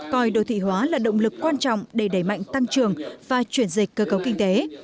coi đô thị hóa là động lực quan trọng để đẩy mạnh tăng trưởng và chuyển dịch cơ cấu kinh tế